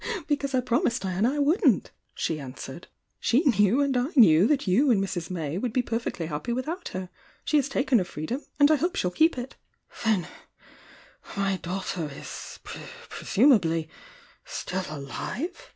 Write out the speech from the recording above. ,,,„ u "Because I promised Diana I wouldn t, she an swered. "She knew and / knew that you and Mrs. May would be perfectly happy without her. She has taken her freedom, and I hope she 11 keep it! "Then— my daughter is— presumably— still alive?"